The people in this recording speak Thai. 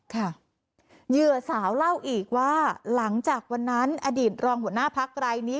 เหยื่อสาวเล่าอีกว่าหลังจากวันนั้นอดีตรองหัวหน้าพักรายนี้